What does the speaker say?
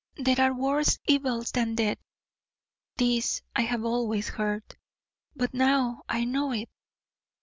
There are worse evils than death. This I have always heard, but now I know it.